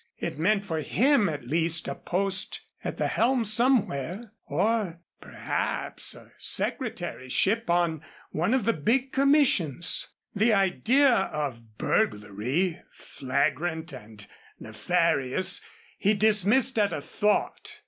It meant for him at least a post at the helm somewhere, or, perhaps, a secretaryship on one of the big commissions. The idea of burglary, flagrant and nefarious, he dismissed at a thought.